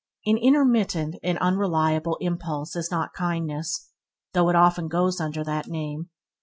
An intermittent and unreliable impulse is not kindness, though it often goes under that name.